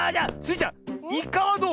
ちゃんイカはどう？